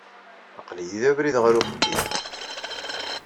Aql-iyi d abrid ɣer uxeddim.